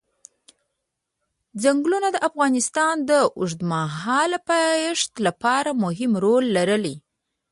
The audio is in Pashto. چنګلونه د افغانستان د اوږدمهاله پایښت لپاره مهم رول لري.